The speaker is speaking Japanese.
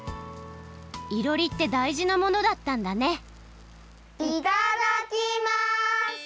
いろりってだいじなものだったんだねいただきます！